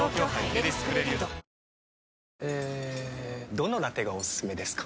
どのラテがおすすめですか？